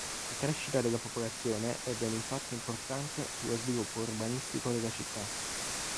La crescita della popolazione ebbe un impatto importante sullo sviluppo urbanistico della città.